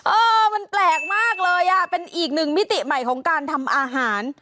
เออมันแปลกมากเลยอ่ะเป็นอีกหนึ่งมิติใหม่ของการทำอาหาร